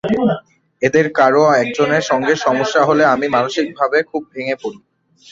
এদের কারও একজনের সঙ্গে সমস্যা হলে আমি মানসিকভাবে খুব ভেঙে পড়ি।